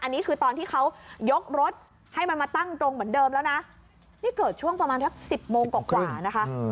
อันนี้คือตอนที่เขายกรถให้มันมาตั้งตรงเหมือนเดิมแล้วนะนี่เกิดช่วงประมาณสักสิบโมงกว่านะคะ